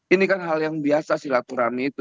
ini kan hal yang biasa silaturahmi itu